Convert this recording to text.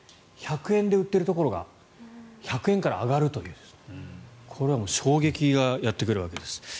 １００円で売っているところが１００円から上がるというこれは衝撃がやってくるわけです。